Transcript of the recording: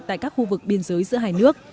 tại các khu vực biên giới giữa hai nước